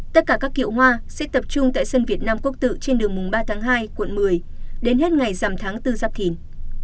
tất cả các kiệu hoa sẽ tập trung tại sân việt nam quốc tự trên đường mùng ba tháng hai quận một mươi đến hết ngày dằm tháng bốn giáp thìn